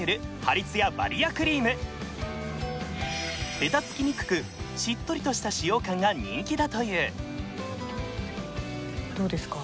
べたつきにくくしっとりとした使用感が人気だというどうですか？